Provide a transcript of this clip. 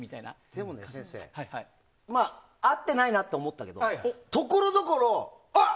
でも、先生合ってないなと思ったけどところどころおっ！